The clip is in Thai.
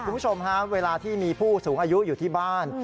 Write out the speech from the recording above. คุณผู้ชมฮะเวลาที่มีผู้สูงอายุอยู่ที่บ้าน